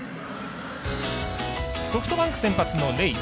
ソフトバンク先発のレイ。